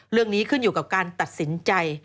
เรื่องนี้ขึ้นอยู่กับการตัดสินใจ